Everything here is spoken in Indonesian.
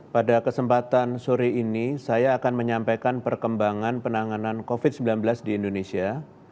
pada kesempatan sore ini saya akan menyampaikan perkembangan penanganan covid sembilan belas di indonesia